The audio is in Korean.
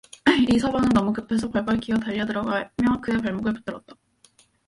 이서방은 너무 급해서 벌벌 기어 달려 들어가며 그의 발목을 붙들었다.